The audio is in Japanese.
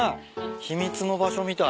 秘密の場所みたい。